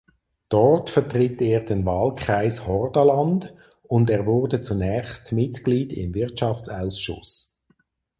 Dort vertritt er den Wahlkreis Hordaland und er wurde zunächst Mitglied im Wirtschaftsausschuss.